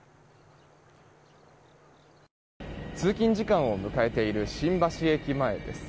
通勤時間を迎えている新橋駅前です。